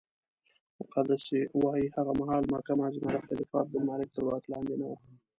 مقدسي وایي هغه مهال مکه معظمه د خلیفه عبدالملک تر واک لاندې نه وه.